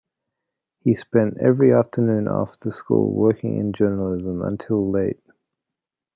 He spent every afternoon after school working in journalism until late.